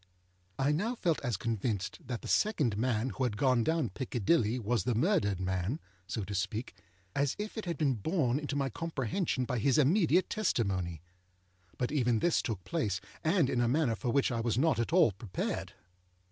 I now felt as convinced that the second man who had gone down Piccadilly was the murdered man (so to speak), as if it had been borne into my comprehension by his immediate testimony. But even this took place, and in a manner for which I was not at all prepared.